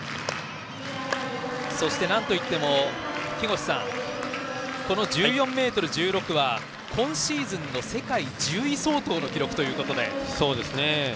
なんといっても木越さん、この１４ｍ１６は今シーズンの世界１０位相当の記録ということです。